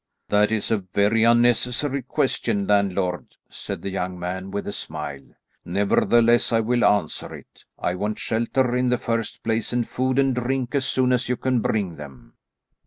"That is a very unnecessary question, landlord," said the young man with a smile, "nevertheless, I will answer it. I want shelter in the first place, and food and drink as soon as you can bring them."